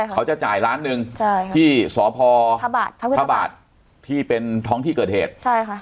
เขาจะจ่ายล้านหนึ่งใช่ค่ะที่สพพระบาทที่เป็นท้องที่เกิดเหตุใช่ค่ะ